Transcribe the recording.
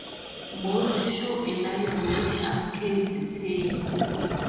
Most show a lion, with upraised tail.